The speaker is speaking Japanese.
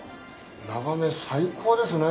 眺め最高ですね。